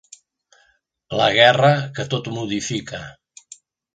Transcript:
La guerra, que tot ho modifica.